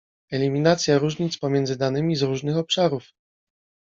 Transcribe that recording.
Eliminacja różnic pomiędzy danymi z różnych obszarów